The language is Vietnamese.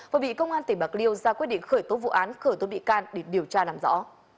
và bị công an tỉnh bạc liêu ra quyết định khởi tố vụ án khởi tố bị can để điều tra làm rõ